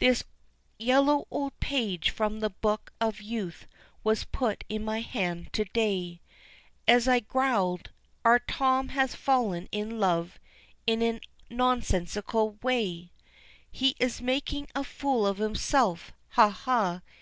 This yellow old page from the book of youth was put in my hand to day, As I growled, "Our Tom has fallen in love in a nonsensical way; He is making a fool of himself ha! ha!